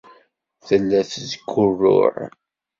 Tella tettgurruɛ.